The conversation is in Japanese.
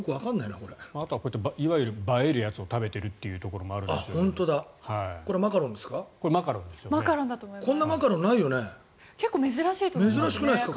あとはこうやっていわゆる映えるやつを食べているというところもこれ、マカロンですか？